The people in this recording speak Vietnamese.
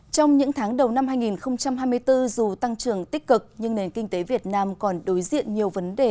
trong những tháng đầu năm hai nghìn hai mươi bốn dù tăng trưởng tích cực nhưng nền kinh tế việt nam còn đối diện nhiều vấn đề